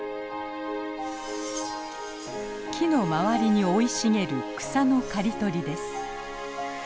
木の周りに生い茂る草の刈り取りです。